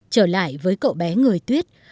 trở lại với cậu bé người tuyết